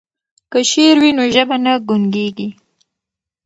که شعر وي نو ژبه نه ګونګیږي.